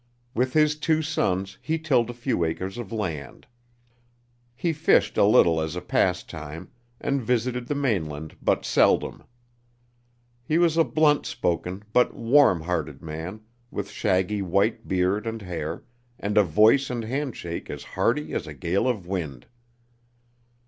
With his two sons, he tilled a few acres of land. He fished a little as a pastime, and visited the mainland but seldom. He was a blunt spoken, but warm hearted man, with shaggy white beard and hair, and a voice and handshake as hearty as a gale of wind.